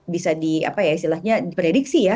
bisa di prediksi ya